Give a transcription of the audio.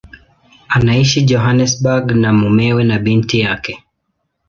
Anaishi Johannesburg na mumewe na binti yake.